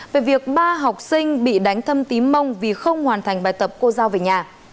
về việc ba học sinh bị đánh thâm tím mông vì không hoàn thành bài tập cô giao về nhà